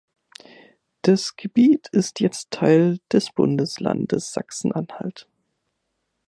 Das Gebiet ist jetzt Teil des Bundeslandes Sachsen-Anhalt.